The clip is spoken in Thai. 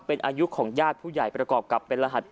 เป็นอายุของญาติผู้ใหญ่ประกอบกับเป็นรหัส